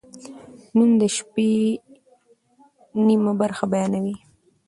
نوم د شي نیمه برخه بیانوي.